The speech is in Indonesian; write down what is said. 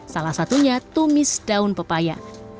salah satunya tumis daun pepaya